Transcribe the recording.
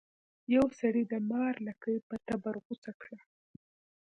یو سړي د مار لکۍ په تبر غوڅه کړه.